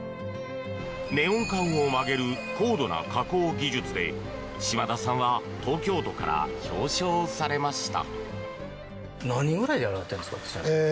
ネオン管を曲げる高度な加工技術で島田さんは東京都から表彰されました。